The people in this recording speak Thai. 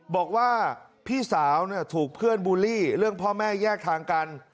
บอกว่าพี่สาวถูกเพื่อนบูลลี่เรื่องพ่อแม่แยกทางกัน